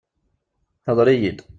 Ḥeḍr iyid!